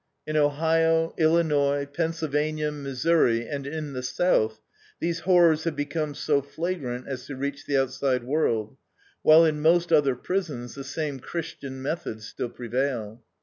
In Ohio, Illinois, Pennsylvania, Missouri, and in the South, these horrors have become so flagrant as to reach the outside world, while in most other prisons the same Christian methods still prevail.